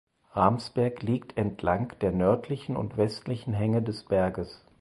Ramsberg liegt entlang der nördlichen und westlichen Hängen des Berges.